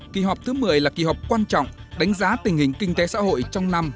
kỳ họp thứ một mươi là kỳ họp quan trọng đánh giá tình hình kinh tế xã hội trong năm